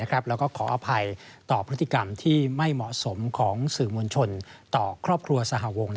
แล้วก็ขออภัยต่อพฤติกรรมที่ไม่เหมาะสมของสื่อมวลชนต่อครอบครัวสหวง